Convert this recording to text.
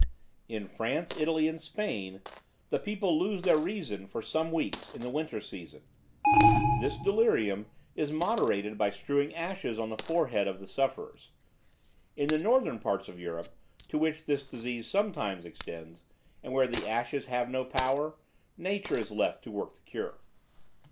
"In France, Italy and Spain, the people lose their reason for some weeks, in the winter season. This delirium is moderated by strewing ashes on the foreheads of the sufferers. In the northern parts of Europe, to which this disease sometimes extends, and where the ashes have no power, nature is left to work the cure.